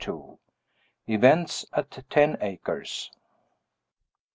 EVENTS AT TEN ACRES.